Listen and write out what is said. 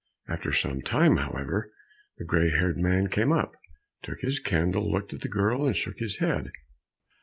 After some time, however, the gray haired man came, took his candle, looked at the girl and shook his head.